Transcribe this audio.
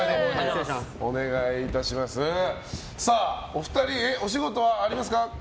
お二人、お仕事はありますか？